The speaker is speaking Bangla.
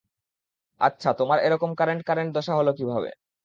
আচ্ছা তোমার এরকম কারেন্ট কারেন্ট দশা হলো কীভাবে?